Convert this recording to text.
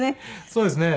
そうですね。